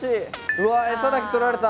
うわ餌だけとられた！